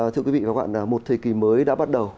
thưa quý vị và các bạn một thời kỳ mới đã bắt đầu